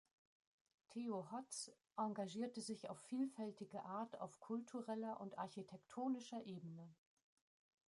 Theo Hotz engagierte sich auf vielfältige Art auf kultureller und architektonischer Ebene.